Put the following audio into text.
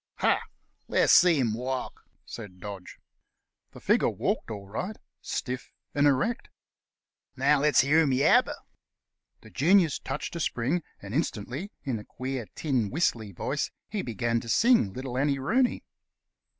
"Ha! Let's see him walk," said Dodge. 23 The Cast iron Canvasser The figure walked all right, stiff and erect. "Now let's hear him yabber." The Genius touched a spring, and instantly, in a queer, tin whistly voice, he began to sing, "Little Annie Rooney."